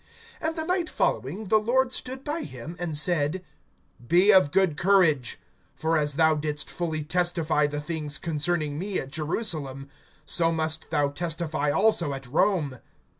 (11)And the night following, the Lord stood by him, and said: Be of good courage; for as thou didst fully testify the things concerning me at Jerusalem, so must thou testify also at Rome.